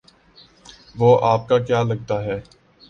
وہ آپ کا کیا لگتا ہے؟